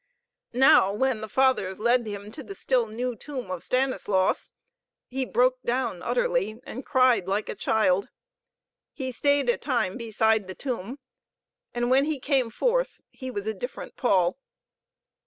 Now, when the Fathers led him to the still new tomb of Stanislaus, he broke down utterly and cried like a child. He stayed a time beside the tomb, and when he came forth he was a different Paul.